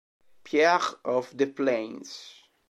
Pierre of the Plains